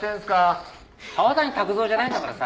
川谷拓三じゃないんだからさ。